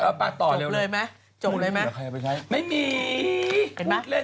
เอาบัตรต่อเลยก็ไม่มีมองเล่น